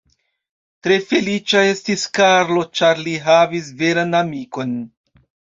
Tre feliĉa estis Karlo, ĉar li havis veran amikon.